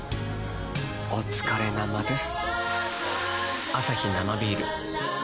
おつかれ生です。